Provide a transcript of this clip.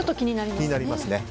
気になりますね。